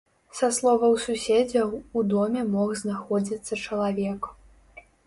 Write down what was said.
Са словаў суседзяў, у доме мог знаходзіцца чалавек.